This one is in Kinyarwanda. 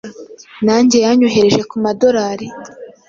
nange yanyoherereje ku madorari?